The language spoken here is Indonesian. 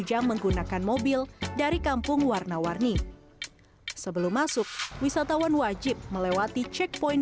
jam menggunakan mobil dari kampung warna warni sebelum masuk wisatawan wajib melewati checkpoint